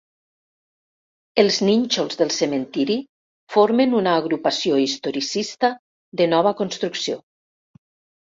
Els nínxols del cementiri formen una agrupació historicista de nova construcció.